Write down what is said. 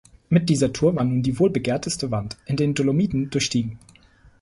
Mit dieser Tour war nun die wohl begehrteste Wand in den Dolomiten durchstiegen.